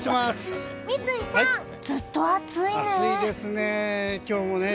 三井さん、ずっと暑いね。